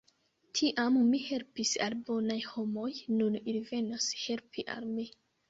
Tiam mi helpis al bonaj homoj, nun ili venos helpi al mi!